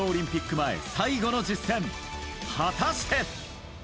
前最後の実戦果たして。